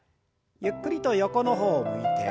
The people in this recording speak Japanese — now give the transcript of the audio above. ゆっくりと横の方を向いて。